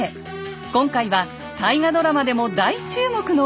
今回は大河ドラマでも大注目の武将たち。